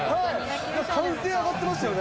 歓声上がってましたよね。